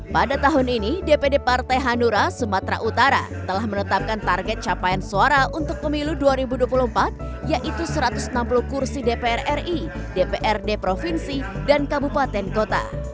pada tahun ini dpd partai hanura sumatera utara telah menetapkan target capaian suara untuk pemilu dua ribu dua puluh empat yaitu satu ratus enam puluh kursi dpr ri dprd provinsi dan kabupaten kota